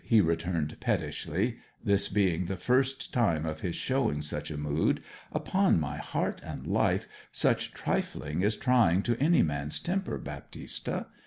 he returned pettishly (this being the first time of his showing such a mood). 'Upon my heart and life such trifling is trying to any man's temper, Baptista!